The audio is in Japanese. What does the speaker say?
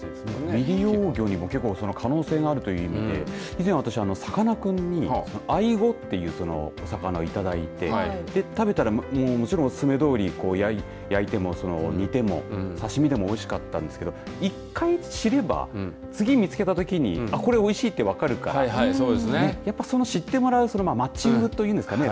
未利用魚にも可能性があるという意味で以前私さかなクンにアイゴという魚をいただいて食べたら、おすすめどおり焼いても煮ても刺し身でもおいしかったんですけれど１回知れば、次見つけたときにこれおいしいと分かるからやっぱり知ってもらうマッチングというんですかね